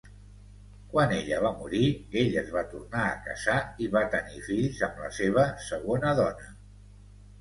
Quan ella va morir, ell es va tornar a casar i va tenir fills amb la seva segona dona.